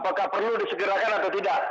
apakah perlu disegerakan atau tidak